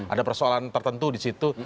ada persoalan tertentu di situ